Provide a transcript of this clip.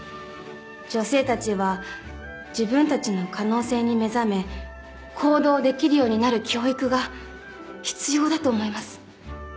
女性たちは自分たちの可能性に目覚め行動できるようになる教育が必要だと思います。